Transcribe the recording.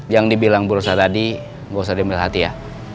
yang dibilang burusa tadi gak usah diambil hati ya